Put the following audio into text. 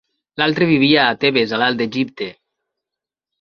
L'altre vivia a Tebes, a l'Alt Egipte.